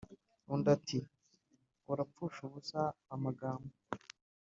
Undi ati: "Urapfusha ubusa amagambo!